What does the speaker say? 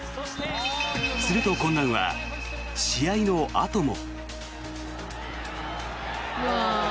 すると混乱は試合のあとも。